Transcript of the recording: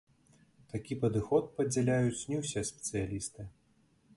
Такі падыход падзяляюць не ўсе спецыялісты.